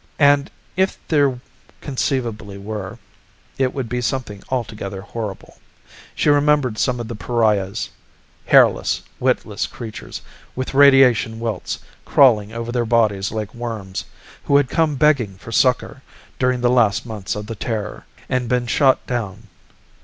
And if there conceivably were, it would be something altogether horrible. She remembered some of the pariahs hairless, witless creatures, with radiation welts crawling over their bodies like worms, who had come begging for succor during the last months of the Terror and been shot down.